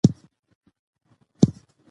د هغوي په باغ کي ډول٬ډول ميوه داري وني شتون لري